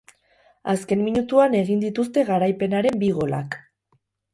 Azken minutuan egin dituzte garaipenaren bi golak.